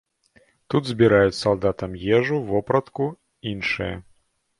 Тут збіраюць салдатам ежу, вопратку, іншае.